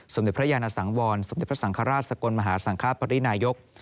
สมเด็จพระยานสังวรสมเด็จพระสังฆราชสกลมหาสังคปรินายก